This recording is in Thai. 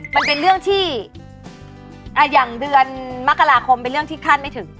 มันเป็นเรื่องที่อย่างเดือนมกราคมเป็นเรื่องที่คาดไม่ถึง